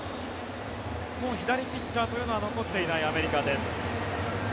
もう左ピッチャーというのは残っていないアメリカです。